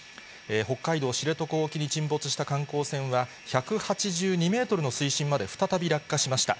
北海道知床沖に沈没した観光船は１８２メートルの水深まで再び、落下しました。